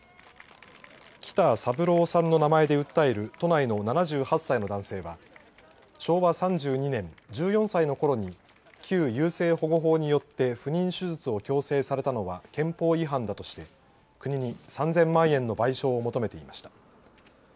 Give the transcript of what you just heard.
北三郎さんの名前で訴える都内の７８歳の男性は昭和３２年、１４歳のころに旧優生保護法によって不妊手術を強制されたのは憲法違反だとして国に３０００万円の賠償を求めていました。